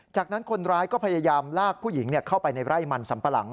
จากนั้นคนร้ายก็พยายามลากผู้หญิงเข้าไปในไร่มันสัมปะหลัง